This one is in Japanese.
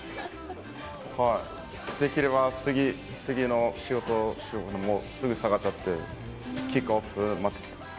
できれば次の仕事をと思って、すぐ下がっちゃって、キックオフ待ってた。